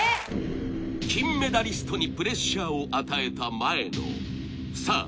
金メダリストにプレッシャーを与えた前野さあ